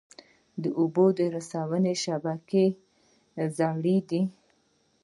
د اوبو رسونې شبکې زړې دي؟